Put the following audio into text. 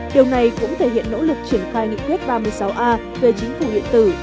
điều này cũng thể hiện nỗ lực triển khai nghị quyết ba mươi sáu a về chính phủ điện tử